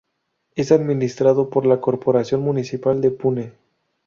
Es administrado por la Corporación Municipal de Pune.